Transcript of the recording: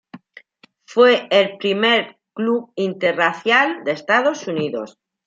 Fue el primer club interracial de Estados Unidos.